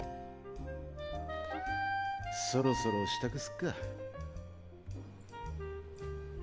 そろそろ支度すっか。